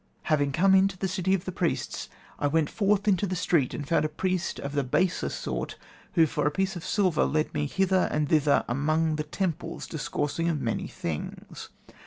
Having come into the City of the Priests, I went forth into the street, and found a priest of the baser sort, who for a piece of silver led me hither and thither among the temples, discoursing of many things.